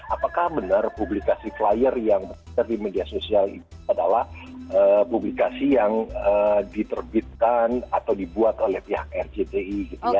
apakah benar publikasi flyer yang beredar di media sosial itu adalah publikasi yang diterbitkan atau dibuat oleh pihak rcti gitu ya